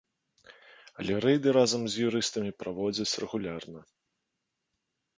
Але рэйды разам з юрыстамі праводзяць рэгулярна.